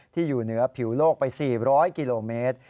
อยู่เหนือผิวโลกไป๔๐๐กิโลเมตร